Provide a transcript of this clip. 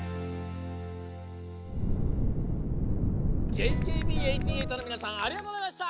ＪＫＢ８８のみなさんありがとうございました！